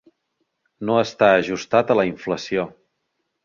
No està ajustat a la inflació.